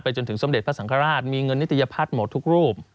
จนถึงสมเด็จพระสังฆราชมีเงินนิตยพัฒน์หมดทุกรูป